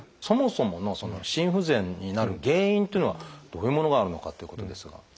そもそもの心不全になる原因というのはどういうものがあるのかということですが。